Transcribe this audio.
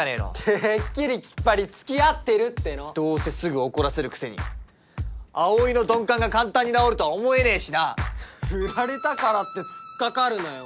てっきりきっぱりつきあってるってのどうせすぐ怒らせるくせに葵の鈍感が簡単に治るとは思えねえしな振られたからってつっかかるなよ